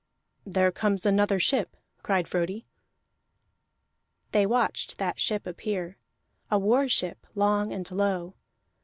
"There comes another ship," cried Frodi. They watched that ship appear: a war ship, long and low.